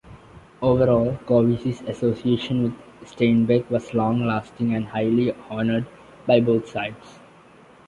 Overall, Covici's association with Steinbeck was long-lasting and highly honored by both sides.